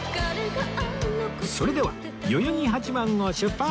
それでは代々木八幡を出発！